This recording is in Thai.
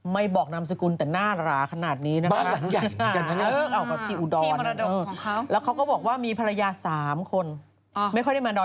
บอกนามสกุลแต่หน้าหราขนาดนี้นะคะ